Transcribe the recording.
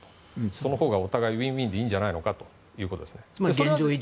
そのほうがお互いウィンウィンでいいんじゃないかと。